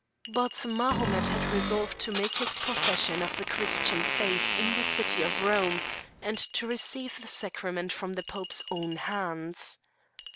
But Mahomet had resolved to make his profession of the Christian faith in the city of Rome, and to receive the sacrament from the Pope's own hands.